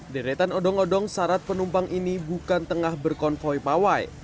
deretan odong odong syarat penumpang ini bukan tengah berkonvoy pawai